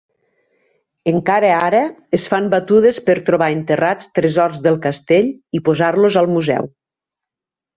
Encara ara, es fan batudes per trobar enterrats tresors del castell i posar-los al museu.